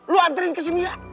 lu anterin ke si mira